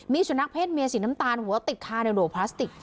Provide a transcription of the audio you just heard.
มีชนักเภทเมียสีน้ำตาลหัวาติดคานในโหดโหยนดูปลาสติก